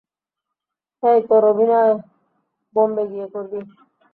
হেই, তোর অভিনয় বোম্বে গিয়ে করবি।